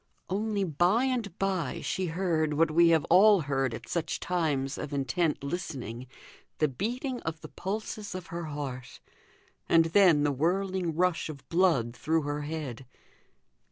Only by and by she heard, what we have all heard at such times of intent listening, the beating of the pulses of her heart, and then the whirling rush of blood through her head.